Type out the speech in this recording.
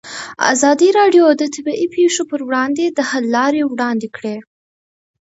ازادي راډیو د طبیعي پېښې پر وړاندې د حل لارې وړاندې کړي.